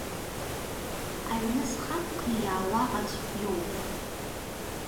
Аҩны зхы ақәкны иаауа аӡә иоуп.